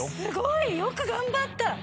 すごい！よく頑張った！